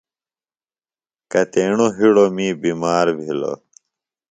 کتیݨوۡ ہِڑوۡ می بِمار بِھلوۡ۔